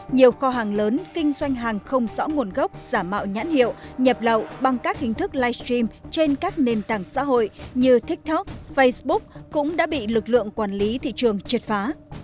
nhiều kho hàng lớn kinh doanh hàng không rõ nguồn gốc giả mạo nhãn hiệu nhập lậu bằng các hình thức livestream trên các nền tảng xã hội như tiktok facebook cũng đã bị lực lượng quản lý thị trường triệt phá